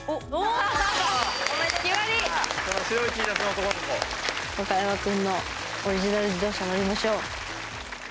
ワカヤマくんのオリジナル自動車乗りましょう。